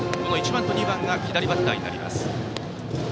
１番と２番が左バッターです。